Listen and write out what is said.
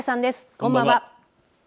こんばんは。